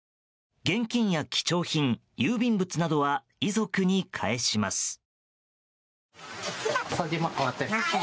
現金や貴重品、郵便物などは遺族に返します。